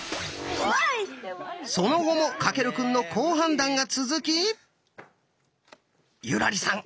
その後も翔くんの好判断が続き優良梨さん